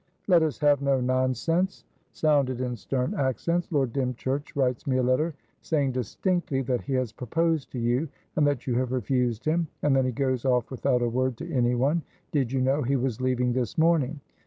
"Let us have no nonsense," sounded in stern accents. "Lord Dymchurch writes me a letter, saying distinctly that he has proposed to you, and that you have refused him, and then he goes off without a word to anyone. Did you know he was leaving this morning?"